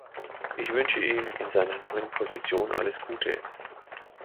Ich wünsche ihm in seiner neuen Position alles Gute.